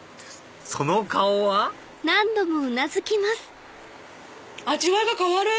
その顔は味わいが変わる！